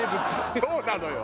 そうなのよ。